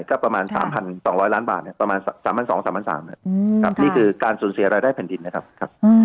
ก็ประมาณ๓๒๐๐ล้านบาทประมาณ๓๒๓๓๐๐บาทนี่คือการสูญเสียรายได้แผ่นดินนะครับ